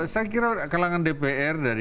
saya kira kelangan dpr